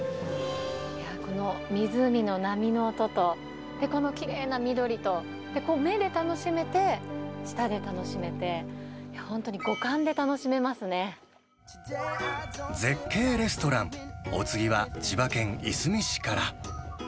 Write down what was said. この湖の波の音と、このきれいな緑と、目で楽しめて、舌で楽しめて、いや、本当に五感で楽し絶景レストラン、お次は千葉県いすみ市から。